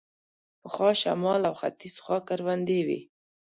پخوا شمال او ختیځ خوا کروندې وې.